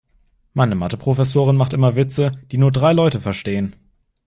Meine Mathe-Professorin macht immer Witze, die nur drei Leute verstehen.